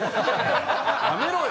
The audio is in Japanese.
やめろよ！